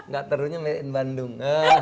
gak terunya melihatnya bandung